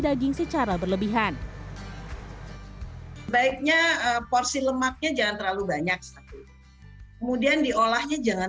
daging secara berlebihan baiknya porsi lemaknya jangan terlalu banyak kemudian diolahnya jangan